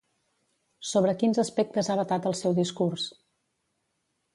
Sobre quins aspectes ha vetat el seu discurs?